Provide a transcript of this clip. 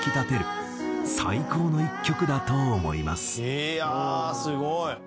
「いやあすごい！」